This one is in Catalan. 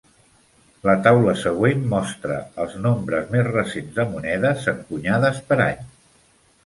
La taula següent mostra els nombres més recents de monedes encunyades per any.